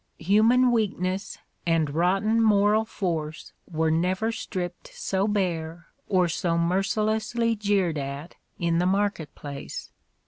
Human weakness and rotten moral force were never stripped so bare or so mercilessly jeered at in the market place.